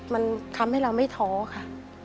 มันทำให้เราไม่ท้อค่ะ